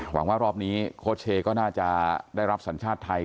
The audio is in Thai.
หวังว่ารอบนี้โค้ชเชย์ก็น่าจะได้รับสัญชาติไทย